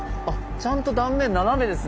ちゃんと断面斜めですね。